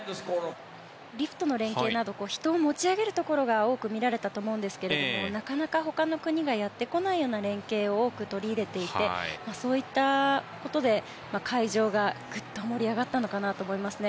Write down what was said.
リフトの連係など人を持ち上げるところが多く見られたと思うんですがなかなか、他の国がやってこないような連係を多く取り入れていてそういったことで会場がぐっと盛り上がったのかなと思いますね。